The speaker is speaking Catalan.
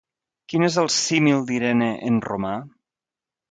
Quin és el símil d'Irene en romà?